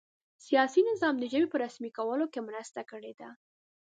سیاسي نظام د ژبې په رسمي کولو کې مرسته کړې ده.